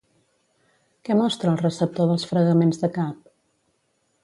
Què mostra el receptor dels fregaments de cap?